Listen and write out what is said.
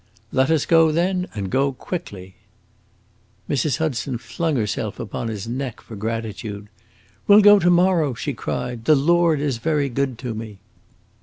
"Let us go, then, and go quickly!" Mrs. Hudson flung herself upon his neck for gratitude. "We 'll go to morrow!" she cried. "The Lord is very good to me!"